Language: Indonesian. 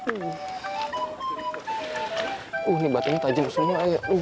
uh ini batangnya tajam semua